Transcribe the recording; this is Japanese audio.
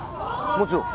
もちろん。